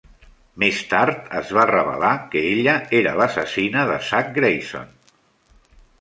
Més tard, es va revelar que ella era l'assassina de Zack Grayson.